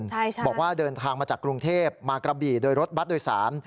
ใช่บอกว่าเดินทางมาจากกรุงเทพมากระบี่โดยรถบัตรโดยสาร